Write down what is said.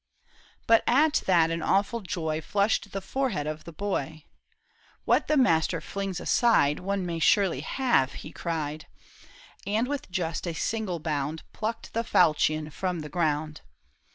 " But at that an awful joy Flushed the forehead of the boy ;" What the master flings aside, One may surely have," he cried ; And with just a single bound. Plucked the falchion from the ground.